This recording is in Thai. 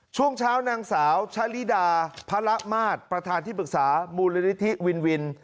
ช่วงเช้านางสาวชะลิดาพระละมาตรประธานที่ปรึกษามูลนิธิวินวิน